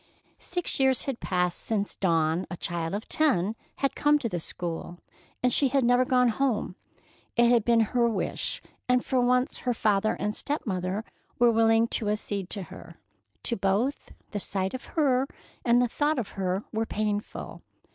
Six years had passed since Dawn, a child of ten, had come to the school, and she had never gone home. It had been her own wish, and for once her father and stepmother were willing to accede to her. To both, the sight of her and the thought of her were painful.